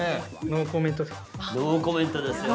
◆ノーコメントですよ。